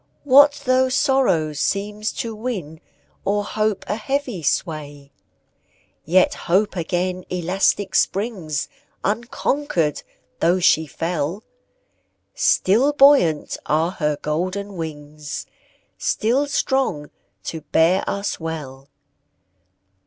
What though sorrow seems to win, O'er hope, a heavy sway? Yet Hope again elastic springs, Unconquered, though she fell; Still buoyant are her golden wings, Still strong to bear us well.